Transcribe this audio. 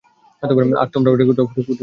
আর আমরাও কোথাও ওটা খুঁজে পাই নি।